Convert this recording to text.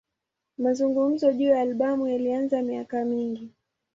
Mazungumzo juu ya albamu yalianza miaka mingi.